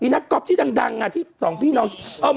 นักก๊อฟที่ดังที่สองพี่น้อง